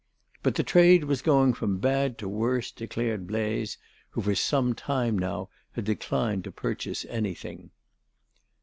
But the trade was going from bad to worse, declared Blaise, who for some time now had declined to purchase anything.